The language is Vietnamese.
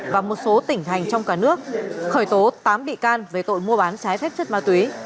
và một số tỉnh thành trong cả nước khởi tố tám bị can về tội mua bán trái phép chất ma túy